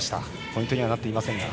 ポイントにはなっていませんが。